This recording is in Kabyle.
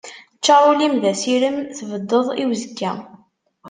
Ččar ul-im d asirem, tbeddeḍ i uzekka.